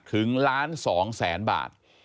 ถึงล้าน๒แสนบาท